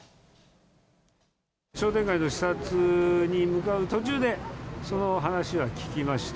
商店街の視察に向かう途中で、その話は聞きました。